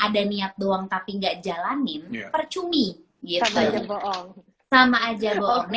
ada niat doang tapi nggak jalanin percumi sama aja